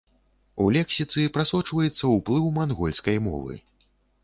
У лексіцы прасочваецца ўплыў мангольскай мовы.